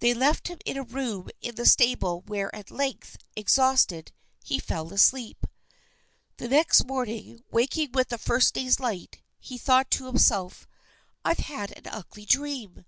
They left him in a room in the stable where at length, exhausted, he fell asleep. The next morning, waking with the day's first light, he thought to himself: "I've had an ugly dream."